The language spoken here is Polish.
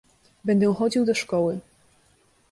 "Będę chodził do szkoły."